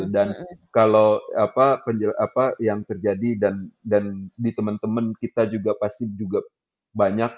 dan kalau apa yang terjadi dan di teman teman kita juga pasti juga banyak